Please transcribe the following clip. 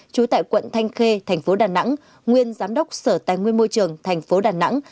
trú tại quận thanh khê thành phố đà nẵng nguyên giám đốc sở tài nguyên môi trường thành phố đà nẵng